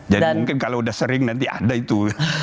jadi mungkin kalau udah sering nanti ada itu